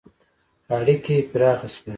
• اړیکې پراخې شوې.